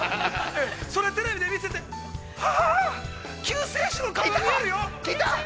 ◆それテレビで見せて、はあ、救世主の顔が見えるよ。